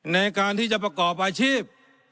ในการที่จะประกอบอาชีพ